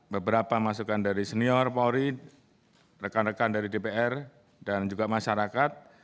beberapa masukan dari senior polri rekan rekan dari dpr dan juga masyarakat